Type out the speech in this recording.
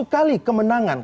tujuh kali kemenangan